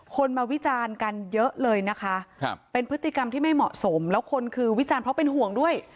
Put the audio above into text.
คนมาวิจารณ์กันเยอะเลยนะคะเป็นพฤติกรรมที่ไม่เหมาะสมแล้วคนคือวิจารณ์เพราะเป็นห่วงด้วย